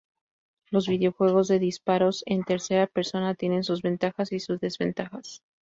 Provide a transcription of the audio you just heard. Los videojuegos de disparos en tercera persona tienen sus ventajas y sus desventajas.